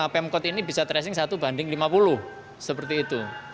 pemkot ini bisa tracing satu banding lima puluh seperti itu